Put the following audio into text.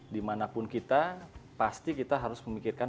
dimanapun kita pasti kita harus memikirkan